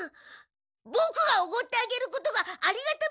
ボクがおごってあげることがありがた